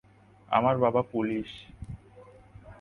আমার বাবা পুলিশ।